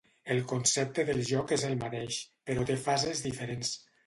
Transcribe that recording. El concepte del joc és el mateix, però té fases diferents.